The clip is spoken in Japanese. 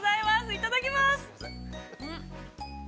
いただきます！